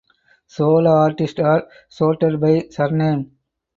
Solo artists are sorted by surname.